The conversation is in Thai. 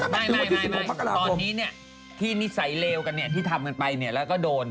ไม่ตอนนี้ที่นิสัยเลวกันที่ทำกันไปแล้วก็โดน